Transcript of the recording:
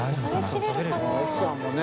この奥さんもね